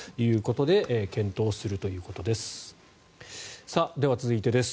では、続いてです。